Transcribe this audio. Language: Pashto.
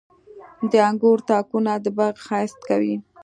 • د انګورو تاکونه د باغ ښایست کوي.